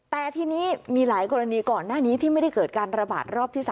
แต่ทีนี้มีหลายกรณีก่อนหน้านี้ที่ไม่ได้เกิดการระบาดรอบที่๓